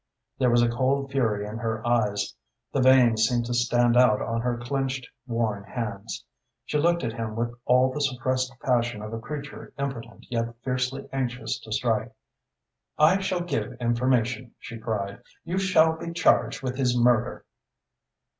There was a cold fury in her eyes. The veins seemed to stand out on her clenched, worn hands. She looked at him with all the suppressed passion of a creature impotent yet fiercely anxious to strike. "I shall give information," she cried. "You shall be charged with his murder!"